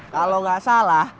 kalau gak salah